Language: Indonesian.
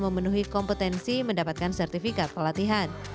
memenuhi kompetensi mendapatkan sertifikat pelatihan